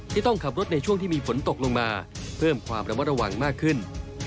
ต้องขับรถในช่วงที่มีฝนตกลงมาเพิ่มความระมัดระวังมากขึ้น